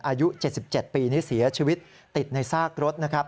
อายุ๗๗ปีที่เสียชีวิตติดในซากรถ